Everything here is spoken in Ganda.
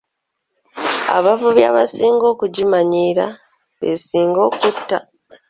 Abavubi abasinga okugimanyiira b'esinga okutta.